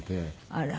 あら。